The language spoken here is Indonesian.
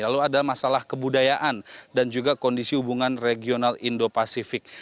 lalu ada masalah kebudayaan dan juga kondisi hubungan regional indo pasifik